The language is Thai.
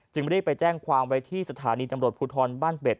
จึงไม่ได้ไปแจ้งความไว้ที่สถานีตำรวจภูทรบ้านเป็ด